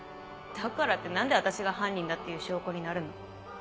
だからって何で私が犯人だっていう証拠になるの？